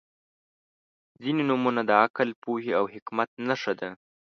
• ځینې نومونه د عقل، پوهې او حکمت نښه ده.